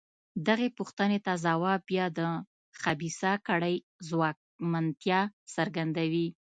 دغې پوښتنې ته ځواب بیا د خبیثه کړۍ ځواکمنتیا څرګندوي.